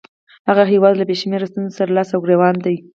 هغه هیواد له بې شمېره ستونزو سره لاس او ګرېوان دی.